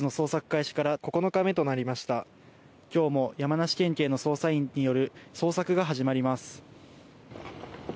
今日も山梨県警の捜査員による捜索が始まります。